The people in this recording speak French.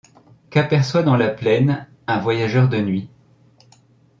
Qu’aperçoit dans la plaine un voyageur de nuit.